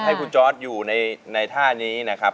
ให้คุณจอร์ดอยู่ในท่านี้นะครับ